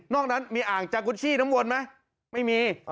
นั้นมีอ่างจากุชชี่น้ำวนไหมไม่มี